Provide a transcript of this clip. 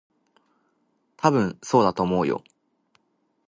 たぶん、そうだと思うよ。